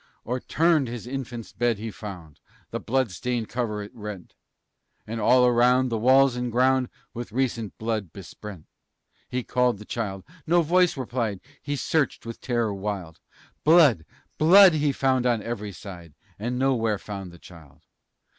O'erturned his infant's bed he found, The blood stained covert rent; And all around, the walls and ground, With recent blood besprent. He called the child no voice replied; He searched, with terror wild; Blood! Blood! He found on every side, But nowhere found the child!